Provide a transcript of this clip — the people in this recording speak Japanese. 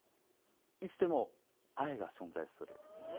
いつでも愛が存在する。